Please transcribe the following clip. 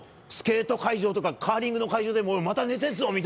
スケート会場とかカーリングの会場でまた寝てるぞ！